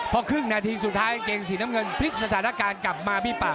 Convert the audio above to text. พอครึ่งนาทีสุดท้ายกางเกงสีน้ำเงินพลิกสถานการณ์กลับมาพี่ป่า